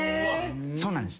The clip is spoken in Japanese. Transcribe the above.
そうなんです。